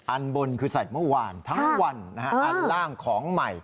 อันบนคือใส่เมื่อวานทั้งวันอันล่างของใหม่